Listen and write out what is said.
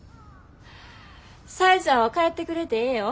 紗江ちゃんは帰ってくれてええよ。